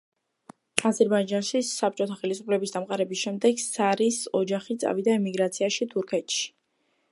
აზერბაიჯანში საბჭოთა ხელისუფლების დამყარების შემდეგ სარის ოჯახი წავიდა ემიგრაციაში თურქეთში.